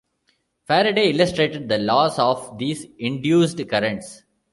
Faraday illustrated the laws of these induced currents.